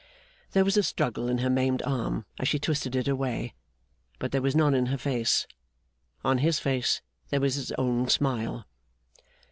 There was a struggle in her maimed arm as she twisted it away, but there was none in her face. On his face there was his own smile.